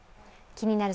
「気になる！